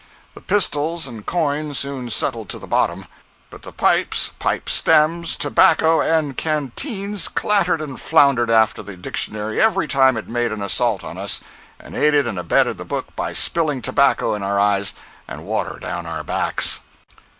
The pistols and coin soon settled to the bottom, but the pipes, pipe stems, tobacco and canteens clattered and floundered after the Dictionary every time it made an assault on us, and aided and abetted the book by spilling tobacco in our eyes, and water down our backs.